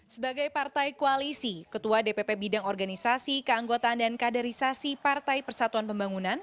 sebagai partai koalisi ketua dpp bidang organisasi keanggotaan dan kaderisasi partai persatuan pembangunan